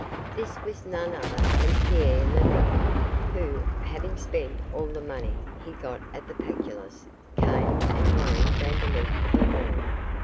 This was none other than Pierre Lemaire, who, having spent all the money he got at the Pactolus, came and worried Vandeloup for more.